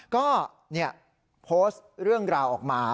ก็โพสต์เรื่องราวออกมา